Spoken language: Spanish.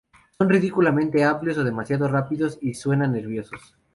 Son ridículamente amplios o demasiado rápidos y suenan nerviosos.